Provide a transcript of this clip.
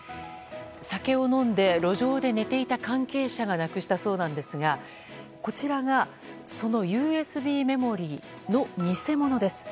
酒を飲んで路上で寝ていた関係者がなくしたそうなんですがこちらがそのＵＳＢメモリーの偽物です。